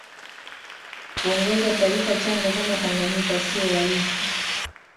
kuongoza taifa changa kama tanganyika siyo rahisi